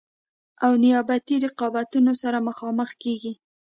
او نیابتي رقابتونو سره مخامخ کیږي.